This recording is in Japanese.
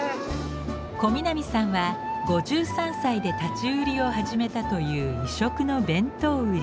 小南さんは５３歳で立ち売りを始めたという異色の弁当売り。